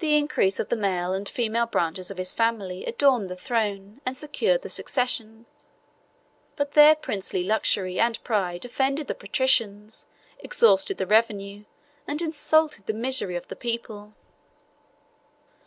The increase of the male and female branches of his family adorned the throne, and secured the succession; but their princely luxury and pride offended the patricians, exhausted the revenue, and insulted the misery of the people.